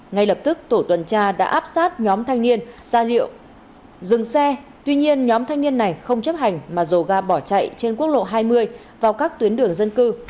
ngay lập tức tổ tuần tra đã áp sát nhóm thanh niên ra liệu dừng xe tuy nhiên nhóm thanh niên này không chấp hành mà dồ ga bỏ chạy trên quốc lộ hai mươi vào các tuyến đường dân cư